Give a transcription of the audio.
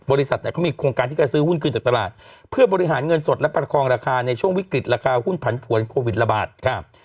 บริษัทเนี่ยเขามีโครงการที่จะซื้อหุ้นคืนจากตลาดเพื่อบริหารเงินสดและประคองราคาในช่วงวิกฤตราคาหุ้นผันผวนโควิดระบาดครับ